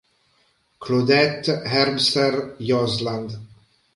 Claudette Herbster-Josland